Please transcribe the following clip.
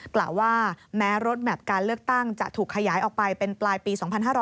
กล่าวว่าแม้รถแมพการเลือกตั้งจะถูกขยายออกไปเป็นปลายปี๒๕๕๙